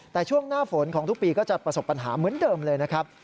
แต่ช่วงหน้าฝนของทุกปีก็จะประสบปัญหาเหมือนเดิมเลยนะครับ